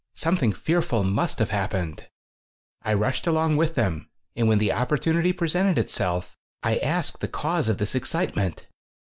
Something fearful must have hap pened. I rushed along with them and when the opportunity presented itself I asked the cause of this excitement.